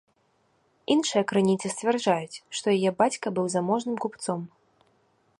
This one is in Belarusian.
Іншыя крыніцы сцвярджаюць, што яе бацька быў заможным купцом.